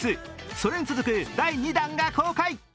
それに続く第２弾が公開。